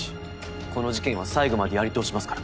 この事件は最後までやり通しますから。